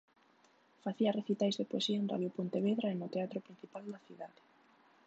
Facía recitais de poesía en Radio Pontevedra e no Teatro Principal da cidade.